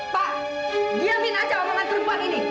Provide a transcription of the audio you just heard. pak diamin saja omongan kerupuan ini